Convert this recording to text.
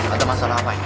ada masalah apa ini